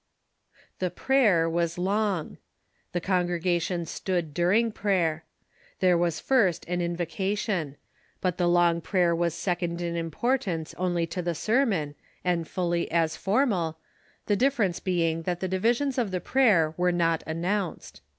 The prayer was long. The congregation stood during prayer. There was first an invocation. But the long prayer was second in importance only to the sermon, and fully as formal, the difference being that the divisions of the prayer were not announced.